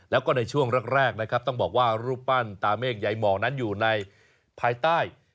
แล้วก็ในช่วงแรกนะครับต้องบอกว่ารูปปั้นตาเมฆยายหมองนั้นอยู่ในภายใต้